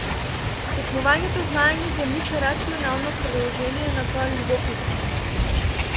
Стекнувањето знаење за нив е рационално продолжение на тоа љубопитство.